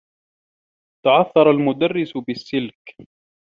تعثّر المدرّس بالسّلك.